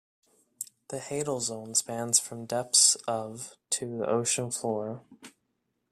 The hadal zone spans from depths of to the ocean floor.